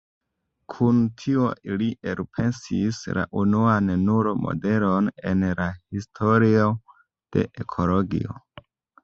Kun tio, li elpensis la unuan nulo-modelon en la historio de ekologio.